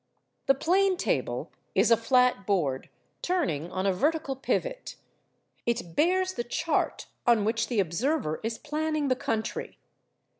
The plane table is a flat board turning on a vertical pivot. It bears the chart on which the observer is planning the country.